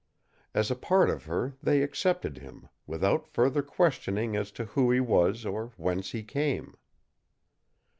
As a part of her they accepted him, without further questioning as to who he was or whence he came.